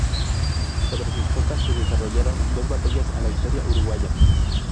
Sobre sus costas se desarrollaron dos batallas a la historia uruguaya.